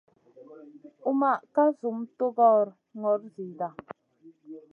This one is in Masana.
Unma ka zum tugora gnor zida.